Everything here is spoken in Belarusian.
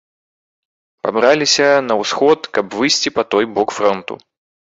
Пабраліся на ўсход, каб выйсці па той бок фронту.